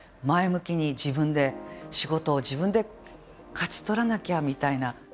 前向きに自分で仕事を自分で勝ち取らなきゃみたいな。